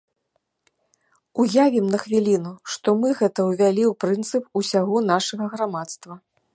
Уявім на хвіліну, што мы гэта ўвялі ў прынцып усяго нашага грамадства.